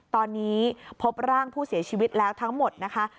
ตอนนี้พบร่างผู้เสียชีวิตแล้วทั้งหมดนะคะ